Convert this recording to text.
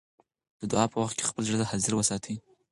د دعا په وخت کې خپل زړه حاضر وساتئ.